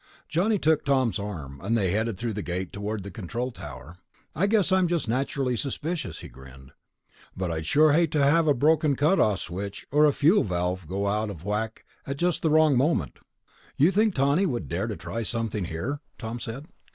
Johnny took Tom's arm, and they headed through the gate toward the control tower. "I guess I'm just naturally suspicious," he grinned, "but I'd sure hate to have a broken cut off switch, or a fuel valve go out of whack at just the wrong moment." "You think Tawney would dare to try something here?" Tom said.